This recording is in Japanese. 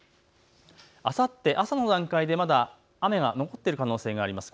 あさって朝の段階でまだ雨が残っている可能性があります。